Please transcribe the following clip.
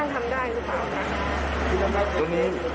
ท่านทำได้หรือเปล่า